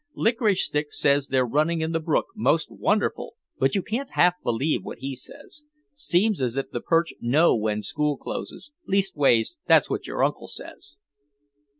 Licorice Stick says they're running in the brook most wonderful but you can't believe half what he says. Seems as if the perch know when school closes, leastways that's what your uncle says.